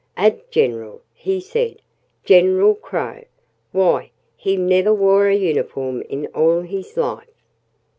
"A general!" he said. "General Crow! Why he never wore a uniform in all his life!"